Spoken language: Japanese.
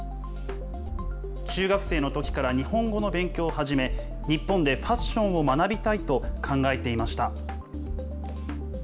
中学生のときから日本語の勉強を始め、日本でファッションを学びたいと考えていました。